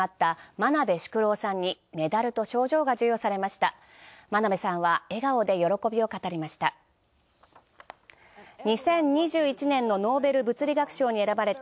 真鍋さんは笑顔で喜びを語りました。